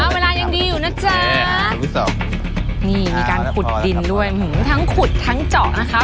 เวลายังดีอยู่นะจ๊ะนี่มีการขุดดินด้วยทั้งขุดทั้งเจาะนะคะ